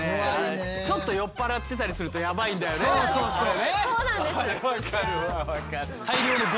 そうそうそう。